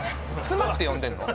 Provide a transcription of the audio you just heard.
妻って呼んでんの？